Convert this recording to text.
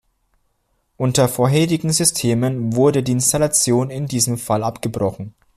Unter vorherigen Systemen wurde die Installation in diesem Fall abgebrochen.